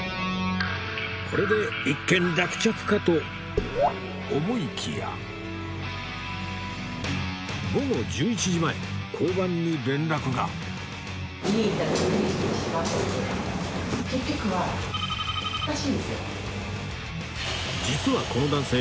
これで一件落着かと思いきや午後１１時前交番に連絡が実はこの男性